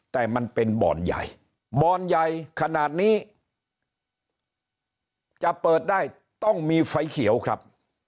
แต่มันเป็นบ่อนใหญ่บ่อนใหญ่ขนาดนี้จะเปิดได้ต้องมีไฟเขียวครับ